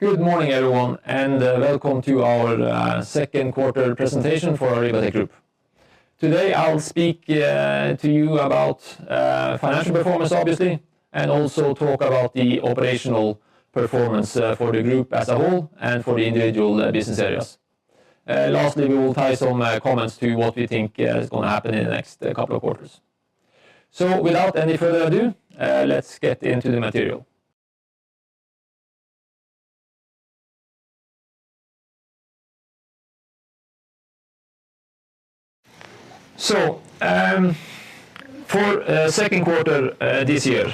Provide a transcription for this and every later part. Good morning, everyone, and welcome to our Q2 presentation for Arribatec Group. Today, I'll speak to you about financial performance, obviously, and also talk about the operational performance for the group as a whole and for the individual business areas. Lastly, we will tie some comments to what we think is gonna happen in the next couple of quarters. Without any further ado, let's get into the material. For Q2 this year,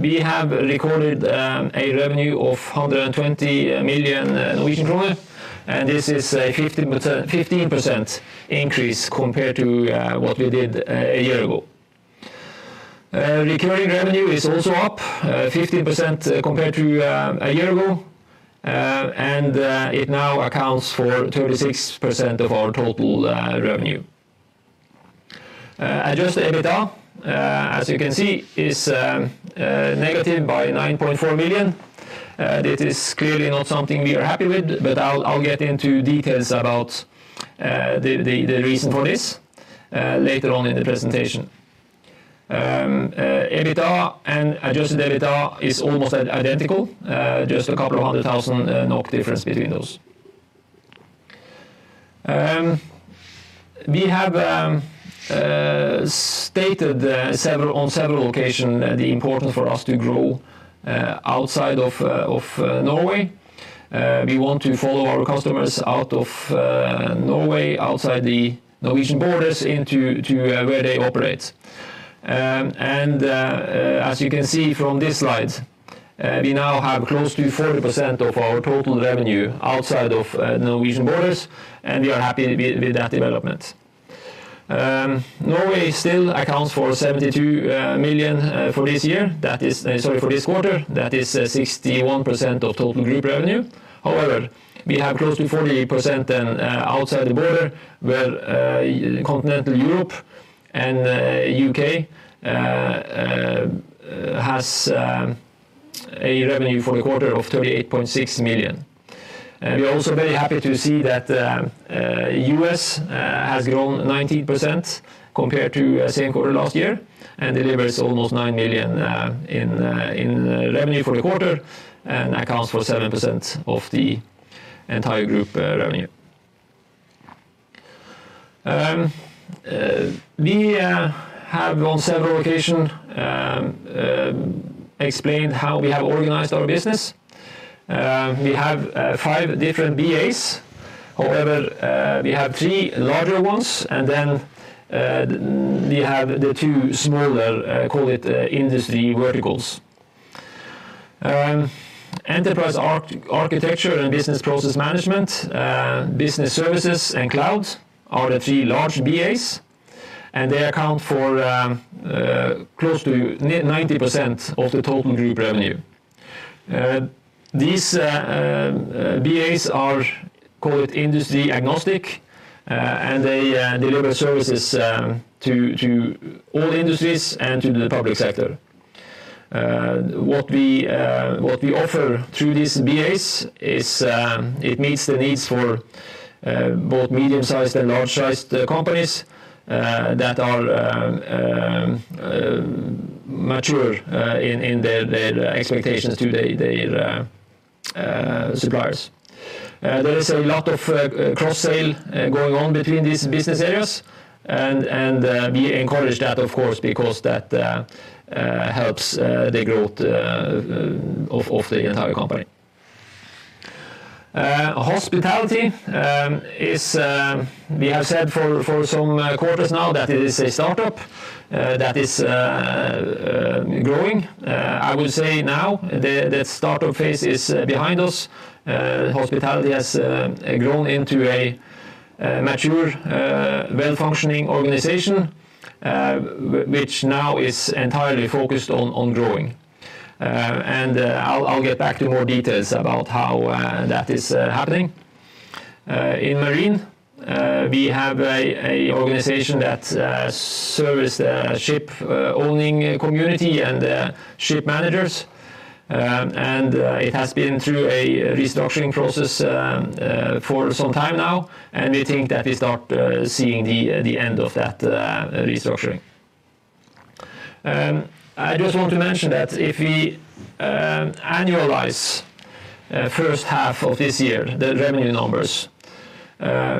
we have recorded a revenue of 120 million Norwegian kroner, and this is a 15% increase compared to what we did a year ago. Recurring revenue is also up 15% compared to a year ago, and it now accounts for 36% of our total revenue. Adjusted EBITDA, as you can see, is negative 9.4 million. This is clearly not something we are happy with, but I'll get into details about the reason for this later on in the presentation. EBITDA and adjusted EBITDA is almost identical, just a couple of hundred thousand NOK difference between those. We have stated on several occasions the importance for us to grow outside of Norway. We want to follow our customers out of Norway, outside the Norwegian borders into where they operate. As you can see from this slide, we now have close to 40% of our total revenue outside of Norwegian borders, and we are happy with that development. Norway still accounts for 72 million for this quarter. That is 61% of total group revenue. However, we have close to 40% and outside the border, where Continental Europe and U.K. has a revenue for the quarter of 38.6 million. We are also very happy to see that U.S. has grown 19% compared to same quarter last year and delivers almost 9 million in revenue for the quarter and accounts for 7% of the entire group revenue. We have on several occasions explained how we have organized our business. We have five different BAs. However, we have three larger ones, and then we have the two smaller, call it, industry verticals. Enterprise Architecture and Business Process Management, Business Services and Cloud are the three large BAs, and they account for close to 90% of the total group revenue. These BAs are, call it, industry agnostic, and they deliver services to all industries and to the public sector. What we offer through these BAs is, it meets the needs for both medium-sized and large-sized companies that are mature in their suppliers. There is a lot of cross-sale going on between these business areas and we encourage that, of course, because that helps the growth of the entire company. Hospitality, we have said for some quarters now that it is a startup that is growing. I would say now the startup phase is behind us. Hospitality has grown into a mature well-functioning organization which now is entirely focused on growing. I'll get back to more details about how that is happening. In Marine, we have an organization that services the ship-owning community and ship managers. It has been through a restructuring process for some time now, and we think that we start seeing the end of that restructuring. I just want to mention that if we annualize first half of this year, the revenue numbers,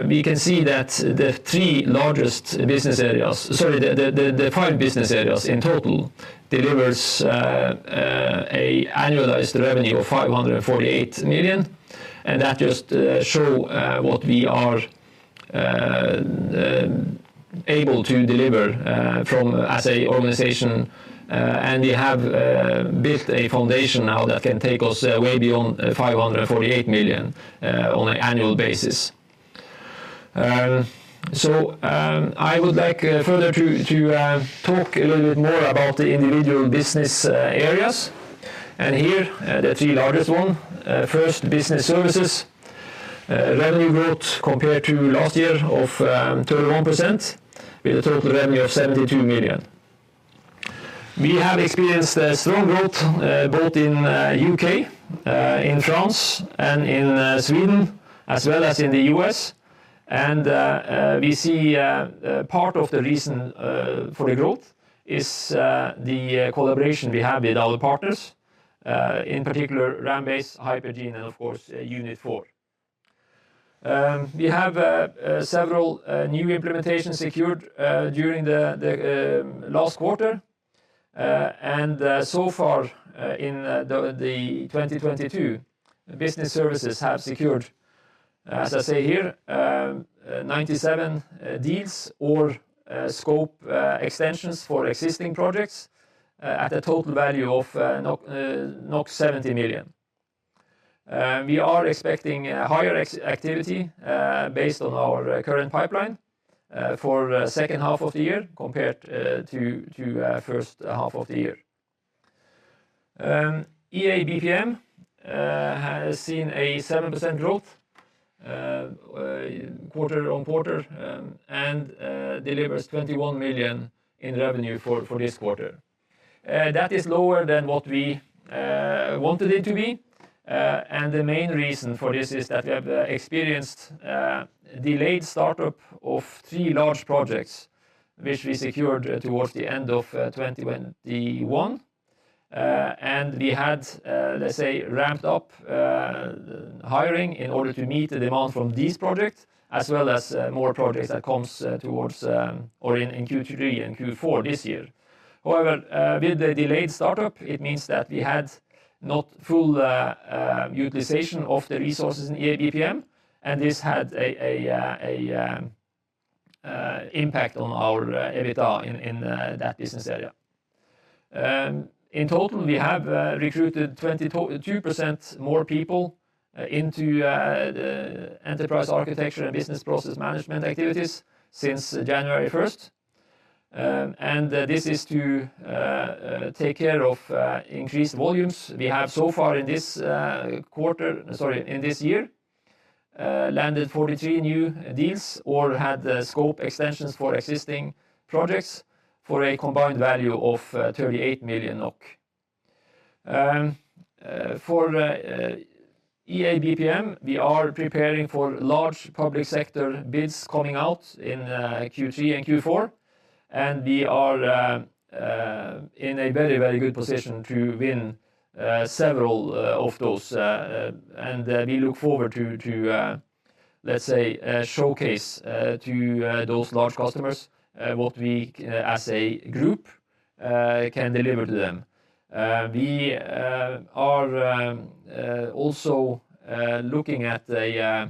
we can see that the five business areas in total delivers an annualized revenue of NOK 548 million, and that just show what we are able to deliver as an organization. We have built a foundation now that can take us way beyond 548 million on an annual basis. I would like further to talk a little bit more about the individual business areas. Here, the three largest one. First, Business Services. Revenue growth compared to last year of 31%. With a total revenue of 72 million. We have experienced a strong growth both in U.K., in France and in Sweden, as well as in the U.S. and we see part of the reason for the growth is the collaboration we have with our partners in particular RamBase, Hypergene, and of course, Unit4. We have several new implementations secured during the last quarter. So far in the 2022, Business Services have secured, as I say here, 97 deals or scope extensions for existing projects at a total value of 70 million. We are expecting a higher activity based on our current pipeline for second half of the year compared to first half of the year. EA BPM has seen a 7% growth quarter-over-quarter and delivers 21 million in revenue for this quarter. That is lower than what we wanted it to be. The main reason for this is that we have experienced delayed startup of 3 large projects, which we secured towards the end of 2021. We had let's say ramped up hiring in order to meet the demand from these projects, as well as more projects that comes towards or in Q3 and Q4 this year. However, with the delayed startup, it means that we had not full utilization of the resources in EA BPM, and this had a impact on our EBITDA in that business area. In total, we have recruited 22% more people into the enterprise architecture and business process management activities since January first. This is to take care of increased volumes we have so far in this year, landed 43 new deals or had the scope extensions for existing projects for a combined value of 38 million NOK. For EA BPM, we are preparing for large public sector bids coming out in Q3 and Q4, and we are in a very good position to win several of those, and we look forward to let's say showcase to those large customers what we as a group can deliver to them. We are also looking at a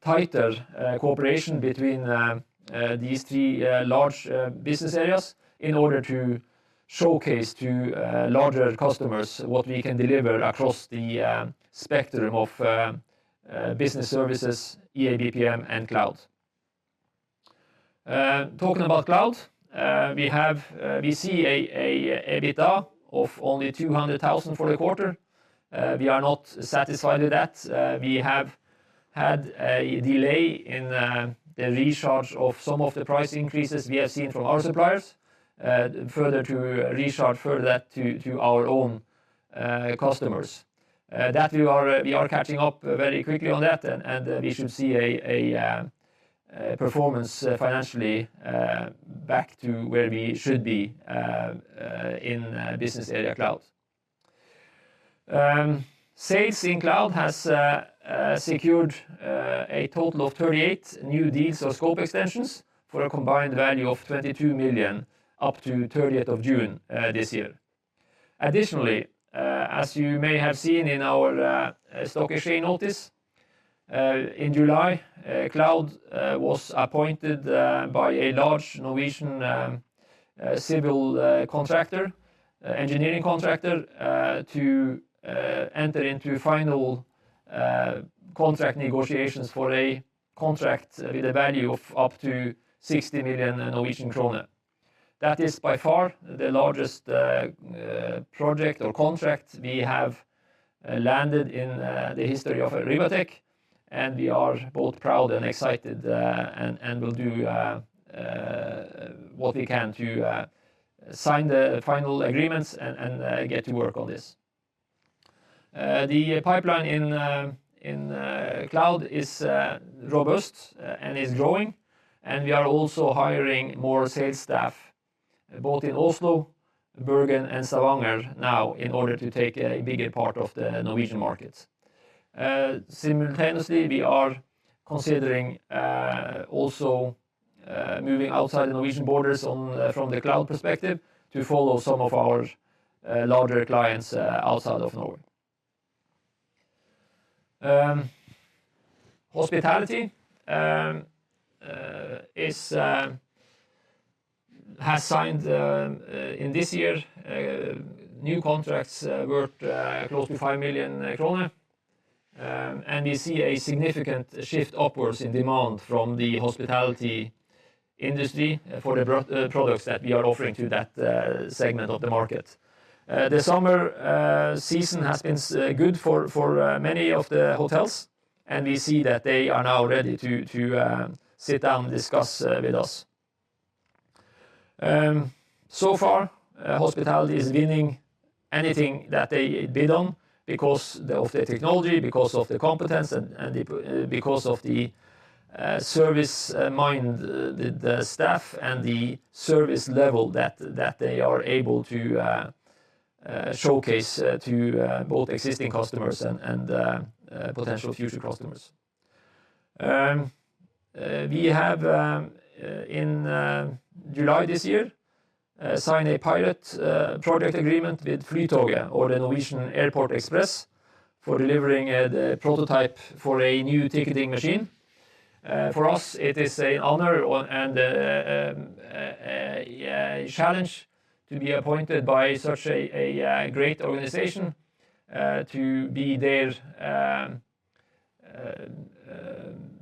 tighter cooperation between these three large business areas in order to showcase to larger customers what we can deliver across the spectrum of Business Services, EA BPM and Cloud. Talking about Cloud, we see an EBITDA of only 200,000 for the quarter. We are not satisfied with that. We have had a delay in the recharge of some of the price increases we have seen from our suppliers, further to recharge that to our own customers. We are catching up very quickly on that and we should see a performance financially back to where we should be in business area Cloud. Sales in Cloud has secured a total of 38 new deals or scope extensions for a combined value of 22 million up to June 30 this year. Additionally, as you may have seen in our stock exchange notice, in July, Cloud was appointed by a large Norwegian civil engineering contractor to enter into final contract negotiations for a contract with a value of up to 60 million Norwegian kroner. That is by far the largest project or contract we have landed in the history of Arribatec, and we are both proud and excited, and we'll do what we can to sign the final agreements and get to work on this. The pipeline in Cloud is robust and is growing, and we are also hiring more sales staff both in Oslo, Bergen and Stavanger now in order to take a bigger part of the Norwegian market. Simultaneously, we are considering also moving outside the Norwegian borders from the Cloud perspective to follow some of our larger clients outside of Norway. Hospitality has signed in this year new contracts worth close to 5 million kroner. We see a significant shift upwards in demand from the hospitality industry for the products that we are offering to that segment of the market. The summer season has been good for many of the hotels, and we see that they are now ready to sit down and discuss with us. So far, hospitality is winning anything that they bid on because of the technology, because of the competence and the service mindset of the staff and the service level that they are able to showcase to both existing customers and potential future customers. We have in July this year signed a pilot project agreement with Flytoget or the Norwegian Airport Express for delivering the prototype for a new ticketing machine. For us, it is an honor and a challenge to be appointed by such a great organization to be their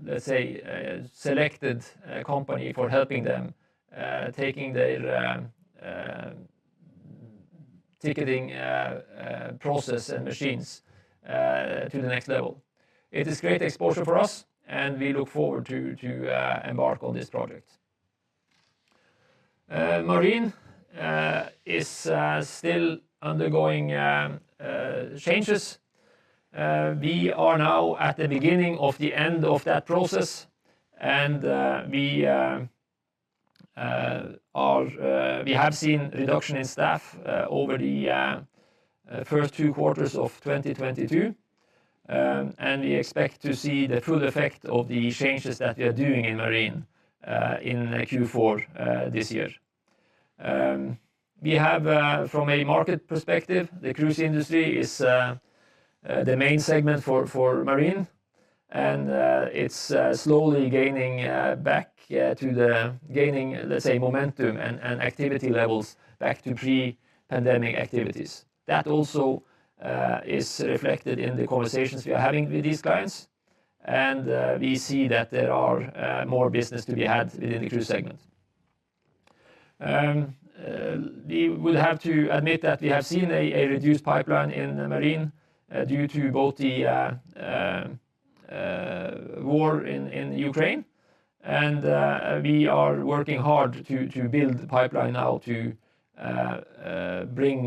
let's say selected company for helping them taking their ticketing process and machines to the next level. It is great exposure for us, and we look forward to embark on this project. Marine is still undergoing changes. We are now at the beginning of the end of that process, and we have seen reduction in staff over the first two quarters of 2022. We expect to see the full effect of the changes that we are doing in Marine in Q4 this year. We have from a market perspective, the cruise industry is the main segment for Marine, and it's slowly gaining the same momentum and activity levels back to pre-pandemic activities. That also is reflected in the conversations we are having with these clients. We see that there are more business to be had within the cruise segment. We would have to admit that we have seen a reduced pipeline in Marine due to both the war in Ukraine, and we are working hard to build the pipeline now to bring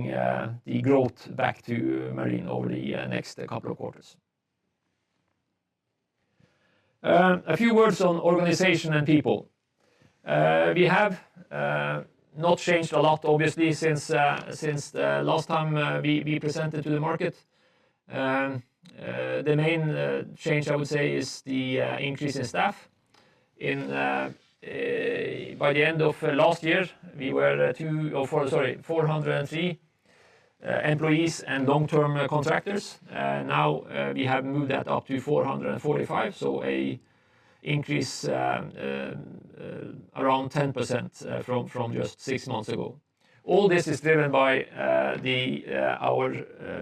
the growth back to Marine over the next couple of quarters. A few words on organization and people. We have not changed a lot obviously since the last time we presented to the market. The main change I would say is the increase in staff. By the end of last year, we were 2 or 4, sorry, 403 employees and long-term contractors. Now we have moved that up to 445, so an increase around 10% from just six months ago. All this is driven by our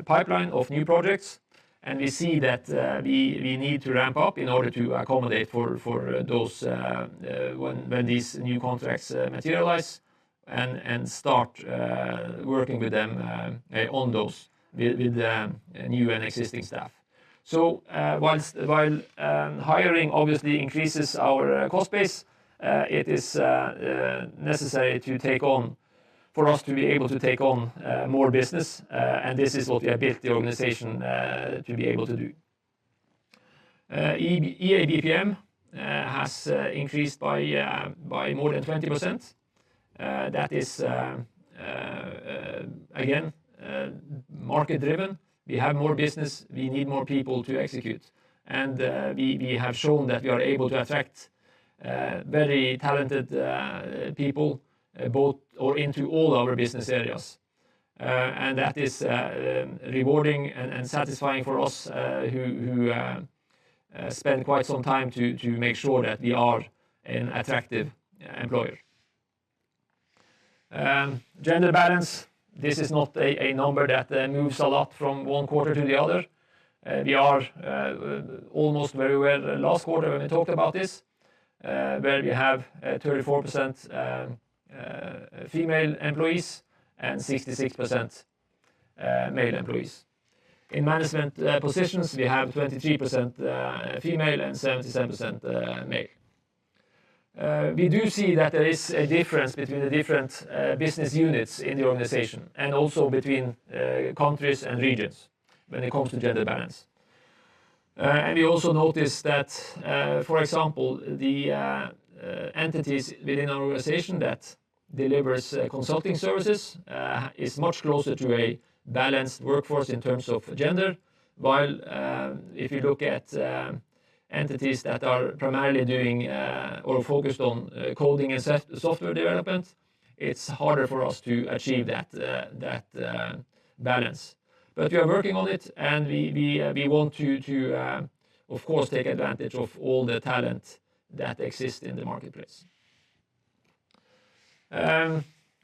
pipeline of new projects, and we see that we need to ramp up in order to accommodate for those when these new contracts materialize and start working with them on those with the new and existing staff. While hiring obviously increases our cost base, it is necessary for us to be able to take on more business. This is what we have built the organization to be able to do. EA BPM has increased by more than 20%. That is, again, market-driven. We have more business, we need more people to execute. We have shown that we are able to attract very talented people into all our business areas. That is rewarding and satisfying for us who spend quite some time to make sure that we are an attractive employer. Gender balance, this is not a number that moves a lot from one quarter to the other. We are almost very well last quarter when we talked about this, where we have 34% female employees and 66% male employees. In management positions, we have 23% female and 77% male. We do see that there is a difference between the different business units in the organization and also between countries and regions when it comes to gender balance. We also notice that, for example, the entities within our organization that delivers consulting services is much closer to a balanced workforce in terms of gender. While if you look at entities that are primarily doing or focused on coding and software development, it's harder for us to achieve that balance. But we are working on it, and we want to of course take advantage of all the talent that exists in the marketplace.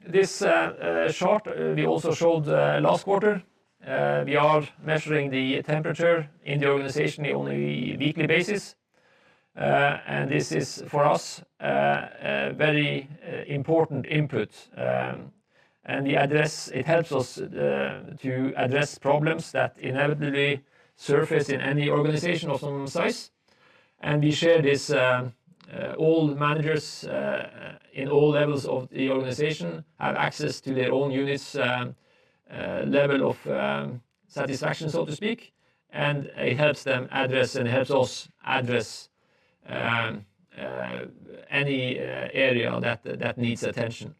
This chart we also showed last quarter. We are measuring the temperature in the organization on a weekly basis. And this is for us a very important input. It helps us to address problems that inevitably surface in any organization of some size. We share this, all managers in all levels of the organization have access to their own units' level of satisfaction, so to speak, and it helps them address and helps us address any area that needs attention.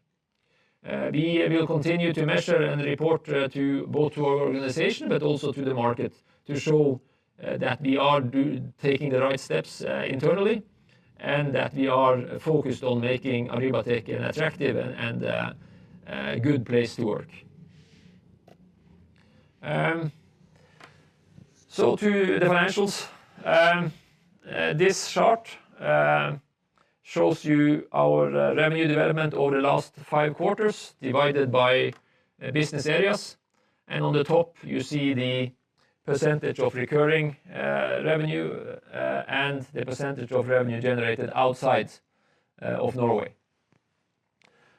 We will continue to measure and report to both our organization but also to the market to show that we are taking the right steps internally, and that we are focused on making Arribatec an attractive and good place to work. To the financials. This chart shows you our revenue development over the last five quarters, divided by business areas and on the top, you see the percentage of recurring revenue and the percentage of revenue generated outside of Norway.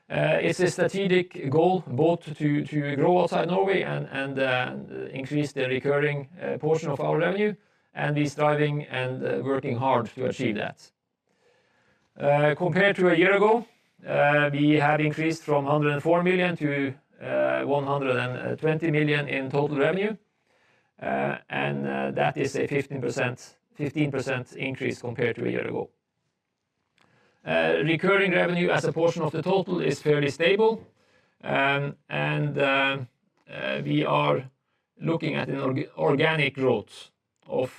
It's a strategic goal both to grow outside Norway and increase the recurring portion of our revenue and is striving and working hard to achieve that. Compared to a year ago, we have increased from 104 million to 120 million in total revenue, and that is a 15% increase compared to a year ago. Recurring revenue as a portion of the total is fairly stable, and we are looking at an organic growth of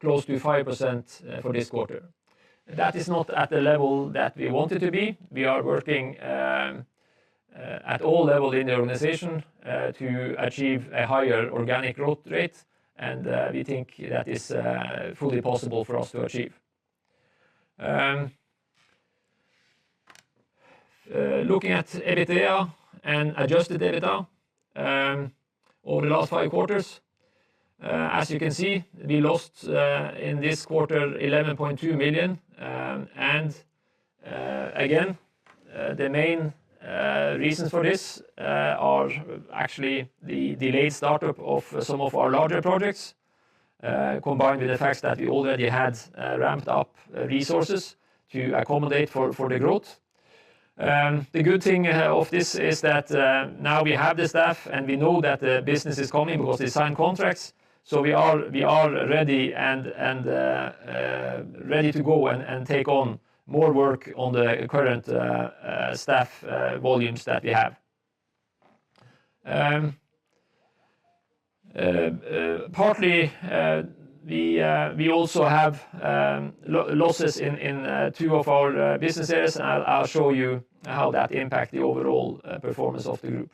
close to 5% for this quarter. That is not at the level that we want it to be. We are working at all level in the organization to achieve a higher organic growth rate, and we think that is fully possible for us to achieve. Looking at EBITDA and adjusted EBITDA over the last five quarters, as you can see, we lost in this quarter 11.2 million. Again, the main reasons for this are actually the delayed startup of some of our larger projects combined with the fact that we already had ramped up resources to accommodate for the growth. The good thing of this is that now we have the staff and we know that the business is coming because they sign contracts, so we are ready to go and take on more work on the current staff volumes that we have. Partly, we also have losses in two of our businesses, and I'll show you how that impact the overall performance of the group.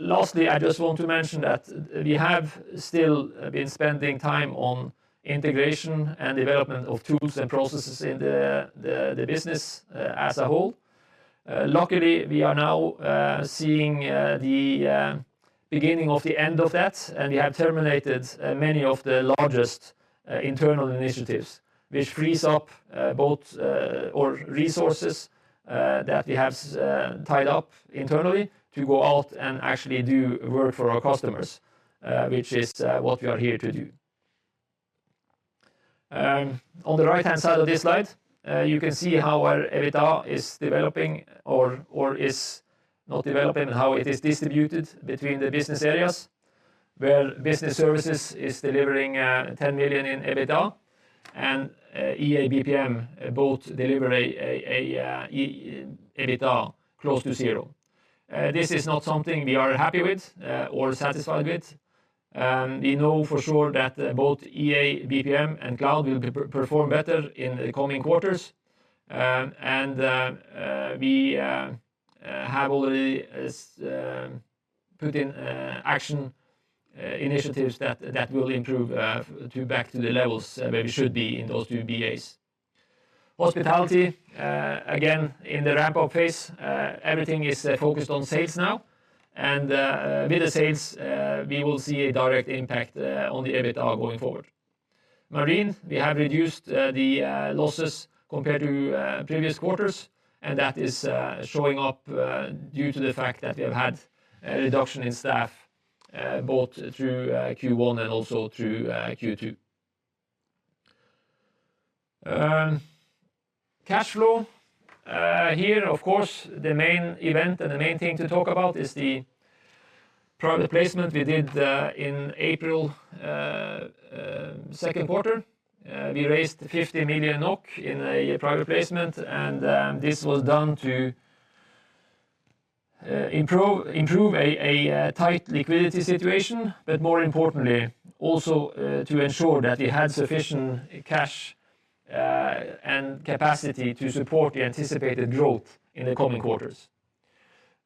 Lastly, I just want to mention that we have still been spending time on integration and development of tools and processes in the business as a whole. Luckily, we are now seeing the beginning of the end of that, and we have terminated many of the largest internal initiatives, which frees up both our resources that we have tied up internally to go out and actually do work for our customers, which is what we are here to do. On the right-hand side of this slide, you can see how our EBITDA is developing or is not developing and how it is distributed between the business areas, where Business Services is delivering 10 million in EBITDA and EA BPM both deliver an EBITDA close to zero. This is not something we are happy with or satisfied with. We know for sure that both EA BPM and Cloud will perform better in the coming quarters. We have already put in action initiatives that will improve back to the levels where we should be in those two BAs. Hospitality, again, in the ramp-up phase. Everything is focused on sales now, and with the sales, we will see a direct impact on the EBITDA going forward. Marine, we have reduced the losses compared to previous quarters, and that is showing up due to the fact that we have had a reduction in staff both through Q1 and also through Q2. Cash flow. Here, of course, the main event and the main thing to talk about is the private placement we did in April, Q2. We raised 50 million NOK in a private placement, and this was done to improve a tight liquidity situation, but more importantly, also to ensure that we had sufficient cash and capacity to support the anticipated growth in the coming quarters.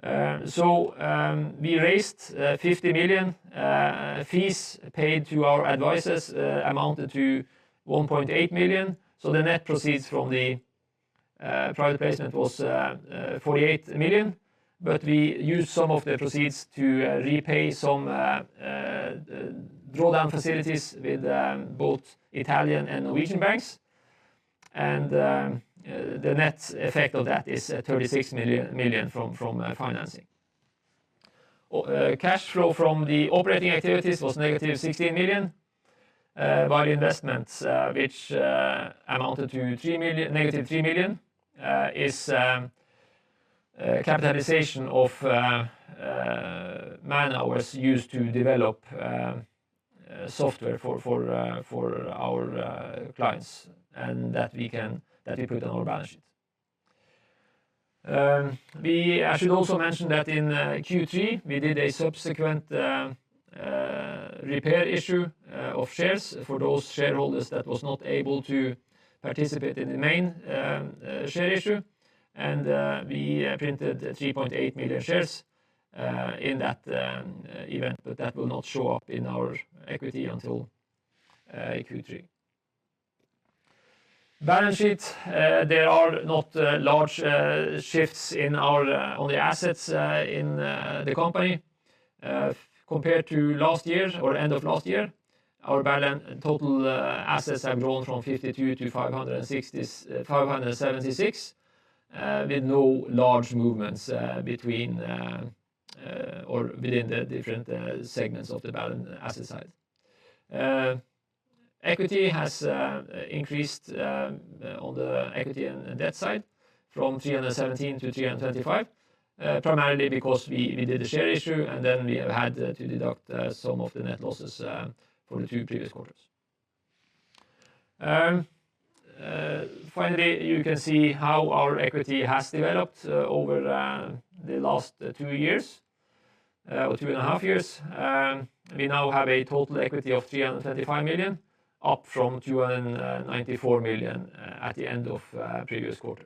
We raised 50 million, fees paid to our advisors amounted to 1.8 million. The net proceeds from the private placement was 48 million. We used some of the proceeds to repay some drawdown facilities with both Italian and Norwegian banks. The net effect of that is 36 million from financing. Cash flow from the operating activities was -16 million, while investments, which amounted to -3 million, is capitalization of man-hours used to develop software for our clients and that we put on our balance sheet. I should also mention that in Q3, we did a subsequent rights issue of shares for those shareholders that was not able to participate in the main share issue. We printed 3.8 million shares in that event, but that will not show up in our equity until Q3. Balance sheet, there are not large shifts in our assets in the company compared to last year or end of last year. Our balance sheet total assets have grown from 52 to 576, with no large movements between or within the different segments of the balance sheet asset side. Equity has increased on the equity and debt side from 317 to 325, primarily because we did the share issue, and then we have had to deduct some of the net losses from the two previous quarters. Finally, you can see how our equity has developed over the last two years or two and a half years. We now have a total equity of 325 million, up from 294 million at the end of previous quarter.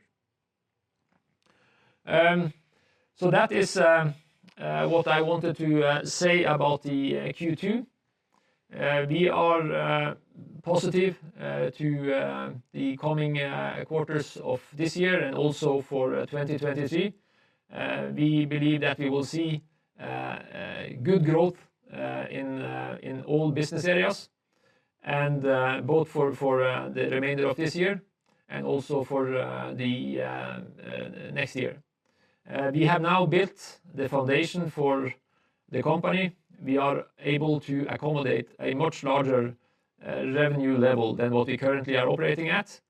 That is what I wanted to say about the Q2. We are positive to the coming quarters of this year and also for 2023. We believe that we will see good growth in all business areas and both for the remainder of this year and also for the next year. We have now built the foundation for the company. We are able to accommodate a much larger revenue level than what we currently are operating at,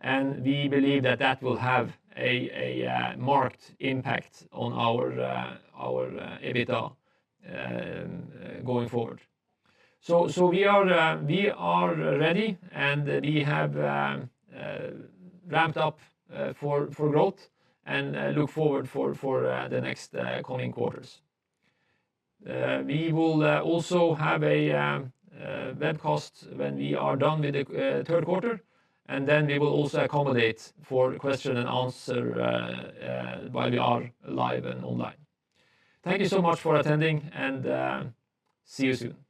and we believe that will have a marked impact on our EBITDA going forward. We are ready, and we have ramped up for growth and look forward for the next coming quarters. We will also have a webcast when we are done with the Q3, and then we will also accommodate for question and answer while we are live and online. Thank you so much for attending, and see you soon.